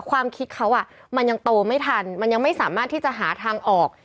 ความคิดเขามันยังโตไม่ทันมันยังไม่สามารถที่จะหาทางออก